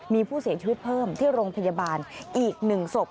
มีผู้เสียชีวิตเพิ่มที่โรงพยาบาลอีก๑ศพ